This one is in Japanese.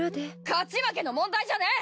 勝ち負けの問題じゃねえ！